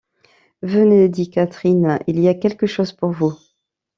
Venez, dit Catherine, il y a quelque chose pour vous.